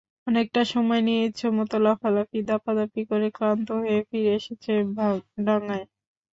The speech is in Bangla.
অনেকটা সময় নিয়ে ইচ্ছেমতো লাফালাফি-দাপাদাপি করে ক্লান্ত হয়ে ফিরে এসেছে ডাঙায়।